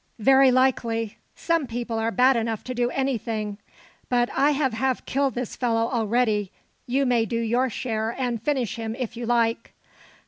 "Very likely. Some people are bad enough to do anything; but I have half killed this fellow already, you may do your share, and finish him, if you like."